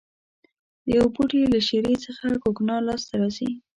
د یوه بوټي له شېرې څخه کوکنار لاس ته راځي.